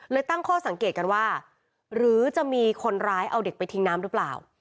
ตั้งข้อสังเกตกันว่าหรือจะมีคนร้ายเอาเด็กไปทิ้งน้ำหรือเปล่า